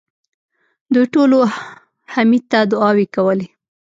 دوی ټولو حميد ته دعاوې کولې.